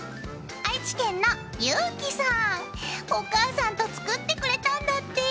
お母さんと作ってくれたんだって。